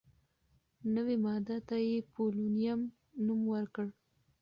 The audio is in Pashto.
نوې ماده ته یې «پولونیم» نوم ورکړ.